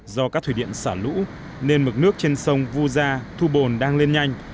do các thủy điện xả lũ nên mực nước trên sông vu gia thu bồn đang lên nhanh